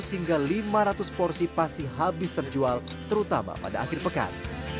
dua ratus hingga lima ratus porsi pasti habis terjual terutama pada akhir pekan